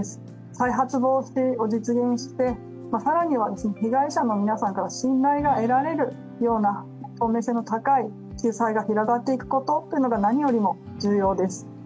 再発防止を実現して、更には被害者の皆さんから信頼が得られるような透明性の高い救済が広がっていくことが何よりも重要です。